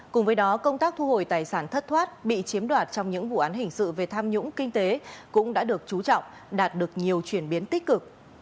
cùng với đó công tác thu hồi tài sản thất thoát bị chiếm đoạt trong những vụ án hình sự về tham nhũng kinh tế cũng đã được chú trọng đạt được nhiều chuyển biến tích cực